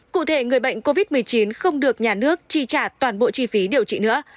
cụ thể người bệnh covid một mươi chín không được nhà nước chi trả toàn bộ chi phí điều trị nữa